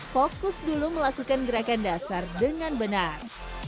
fokus dulu melakukan gerakan dasar dengan benar